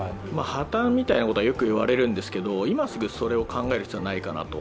破綻みたいなことはよく言われるんですけれども今すぐそれを考える必要はないかなと。